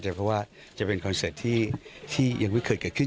เพราะว่าจะเป็นคอนเสิร์ตที่ยังไม่เคยเกิดขึ้น